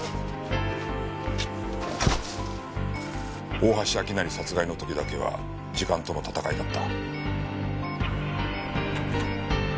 大橋明成殺害の時だけは時間との戦いだった。